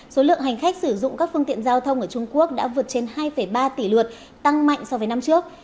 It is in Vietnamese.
số lượng hành khách sử dụng các phương tiện giao thông ở trung quốc đã vượt trên hai ba tỷ lượt tăng mạnh so với năm trước